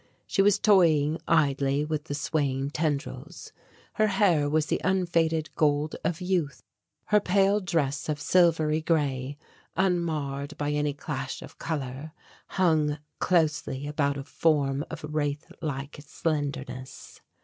She was toying idly with the swaying tendrils. Her hair was the unfaded gold of youth. Her pale dress of silvery grey, unmarred by any clash of colour, hung closely about a form of wraith like slenderness.